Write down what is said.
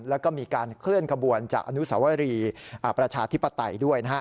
แล้วก็มีการเคลื่อนขบวนจากอนุสวรีประชาธิปไตยด้วยนะฮะ